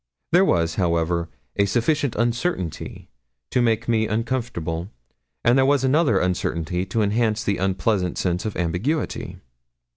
There was, however, a sufficient uncertainty to make me uncomfortable; and there was another uncertainty to enhance the unpleasant sense of ambiguity.